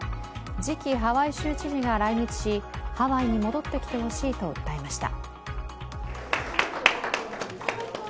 次期ハワイ州知事が来日しハワイに戻ってきてほしいと訴えました。